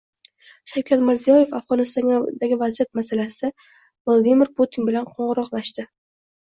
Shavkat Mirziyoyev Afg‘onistondagi vaziyat masalasida Vladimir Putin bilan qo‘ng‘iroqlashdi